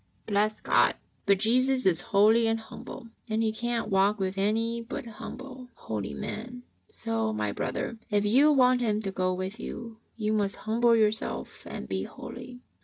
Bless God ! But Jesus is holy and humble and He can't walk with any but humble, holy men, so, my brother, if you want Him to go with you, you must humble your self and be holy.